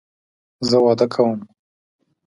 زه واده کوم